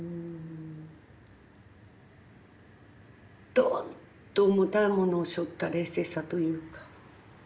ドンッと重たいものをしょった冷静さというか。